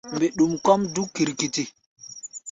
Mbɛɗum kɔ́ʼm dúk kirkiti.